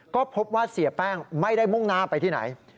ก็พบว่าเสียแป้งไม่ได้มุ่งหน้าไปที่ไหน